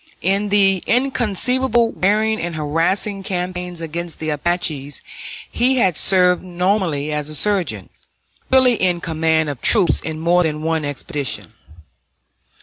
In the inconceivably wearing and harassing campaigns against the Apaches he had served nominally as a surgeon, really in command of troops, on more than one expedition.